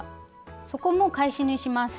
そこも返し縫いします。